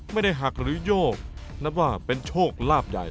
ไม่ได้หักหรือโยกนับว่าเป็นโชคลาบใหญ่